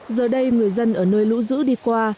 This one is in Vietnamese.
giờ đây người dân ở nơi lũ dữ đi qua